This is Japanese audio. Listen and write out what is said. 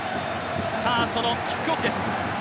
さあ、そのキックオフです。